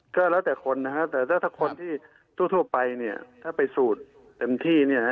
ก็แล้วแต่คนนะฮะแต่ถ้าคนที่ทั่วไปเนี่ยถ้าไปสูดเต็มที่เนี่ย